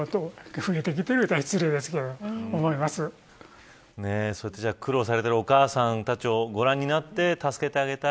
いうたらそうやって苦労されているお母さんたちをご覧になって助けてあげたい。